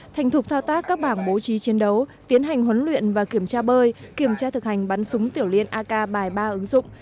thành thục thao tác các bảng bố trí chiến đấu tiến hành huấn luyện và kiểm tra bơi kiểm tra thực hành bắn súng tiểu liên ak bài ba ứng dụng